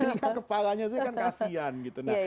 telinga kepalanya saja kan kasian